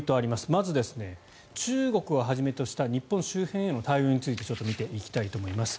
まず、中国をはじめとした日本周辺への対応をちょっと見ていきたいと思います。